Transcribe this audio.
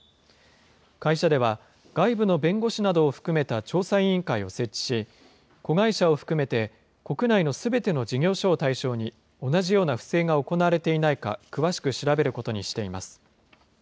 会社では、外部の弁護士などを含めた調査委員会を設置し、子会社を含めて、国内のすべての事業所を対象に、同じような不正が行われていないか、詳しく調べることにしています。